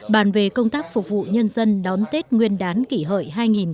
bàn về công tác phục vụ nhân dân đón tết nguyên đán kỷ hợi hai nghìn một mươi chín